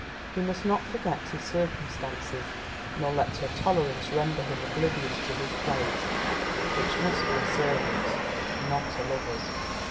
He must not forget his circumstances, nor let her tolerance render him oblivious to his place, which must be a servant's, not a lover's.